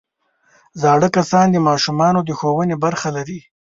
زاړه کسان د ماشومانو د ښوونې برخه لري